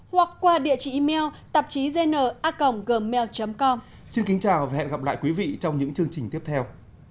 hoặc qua địa chỉ email tạp chí znna gmail com xin kính chào và hẹn gặp lại quý vị trong những chương trình tiếp theo